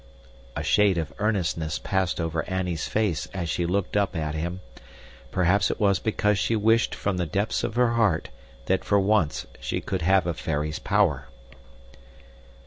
A shade of earnestness passed over Annie's face as she looked up at him; perhaps it was because she wished from the depths of her heart that for once she could have a fairy's power.